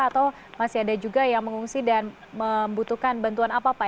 atau masih ada juga yang mengungsi dan membutuhkan bantuan apa pak